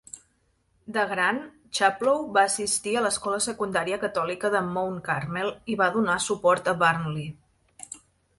De gran, Chaplow va assistir a l'escola secundària catòlica de Mount Carmel i va donar suport a Burnley.